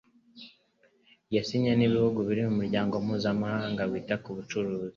yasinywe n'ibihugu biri mu muryango mpuzamahanga wita ku bucuruzi,